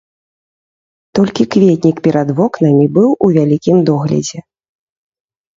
Толькі кветнік перад вокнамі быў у вялікім доглядзе.